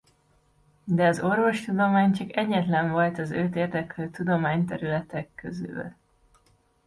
De az orvostudomány csak egyetlen volt az őt érdeklő tudományterületek közül.